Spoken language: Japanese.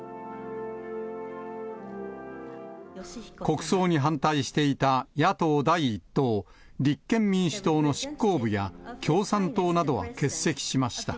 国葬に反対していた野党第１党、立憲民主党の執行部や、共産党などは欠席しました。